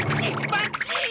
ばっちい！